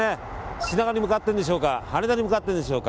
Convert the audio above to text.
品川に向かっているんでしょうか羽田に向かっているんでしょうか。